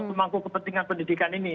kemangku kepentingan pendidikan ini